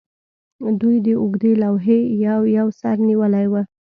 دوی د اوږدې لوحې یو یو سر نیولی و